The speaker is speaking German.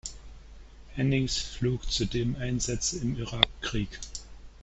Hennings flog zudem Einsätze im Irak-Krieg.